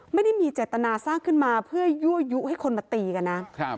ไม่ได้มีเจตนาสร้างขึ้นมาเพื่อยั่วยุให้คนมาตีกันนะครับ